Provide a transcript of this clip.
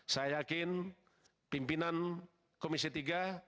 saya yakin pimpinan komisi tiga